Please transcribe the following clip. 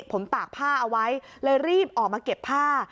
ผมตากผ้าเอาไว้เลยรีบออกมาเก็บผ้า